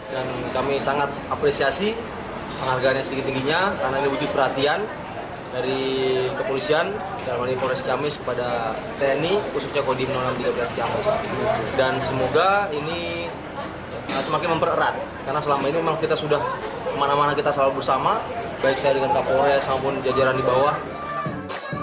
di mana mana kita selalu bersama baik saya dengan kapolres maupun jajaran di bawah